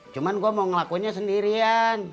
cuman gue mau ngelakunya sendirian